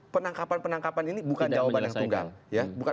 penangkapan penangkapan ini bukan jawaban yang tunggal ya